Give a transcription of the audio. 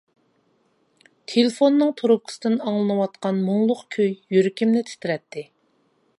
تېلېفوننىڭ تۇرۇپكىسىدىن ئاڭلىنىۋاتقان مۇڭلۇق كۈي، يۈرىكىمنى تىترەتتى.